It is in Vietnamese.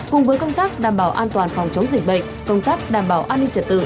cùng với công tác đảm bảo an toàn phòng chống dịch bệnh công tác đảm bảo an ninh trật tự